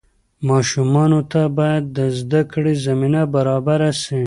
ماشومانو ته باید د زده کړې زمینه برابره سي.